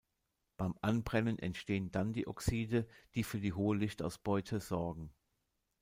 Beim Anbrennen entstehen dann die Oxide, die für die hohe Lichtausbeute sorgen.